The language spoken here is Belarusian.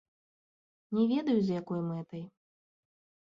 Не ведаю, з якой мэтай.